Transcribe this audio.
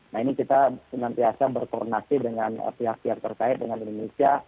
nah ini kita senantiasa berkoordinasi dengan pihak pihak terkait dengan indonesia